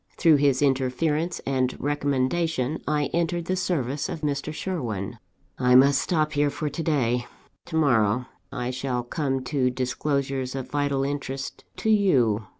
Through his interference and recommendation, I entered the service of Mr. Sherwin. "I must stop here for to day. To morrow I shall come to disclosures of vital interest to you.